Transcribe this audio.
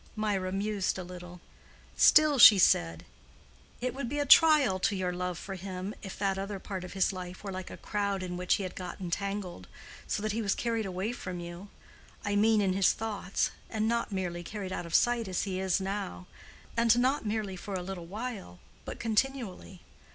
Mirah mused a little. "Still," she said, "it would be a trial to your love for him if that other part of his life were like a crowd in which he had got entangled, so that he was carried away from you—I mean in his thoughts, and not merely carried out of sight as he is now—and not merely for a little while, but continually.